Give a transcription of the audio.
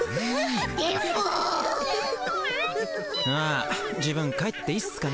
あ自分帰っていいっすかね。